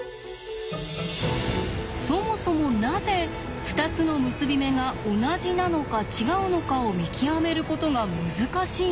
そもそもなぜ２つの結び目が同じなのか違うのかを見極めることが難しいのか？